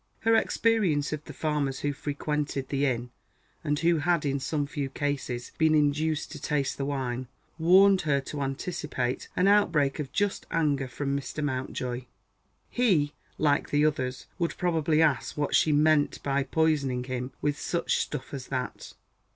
Her experience of the farmers who frequented the inn, and who had in some few cases been induced to taste the wine, warned her to anticipate an outbreak of just anger from Mr. Mountjoy. He, like the others, would probably ask what she "meant by poisoning him with such stuff as that."